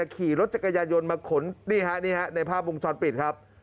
ขี่รถจักรยายนมาขนนี่ฮะในภาพวงชอบปิดครับ